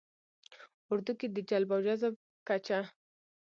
ه اردو کې د جلب او جذب کچه